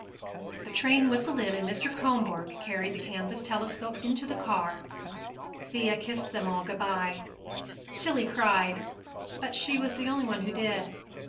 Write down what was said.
The train whistled in, and Mr. Kronborg carried the canvas "telescope" into the car. Thea kissed them all good bye. Tillie cried, but she was the only one who did.